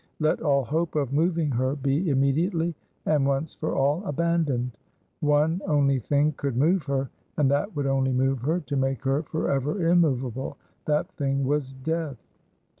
Let all hope of moving her be immediately, and once for all, abandoned. One only thing could move her; and that would only move her, to make her forever immovable; that thing was death.